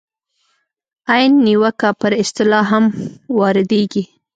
عین نیوکه پر اصطلاح هم واردېږي.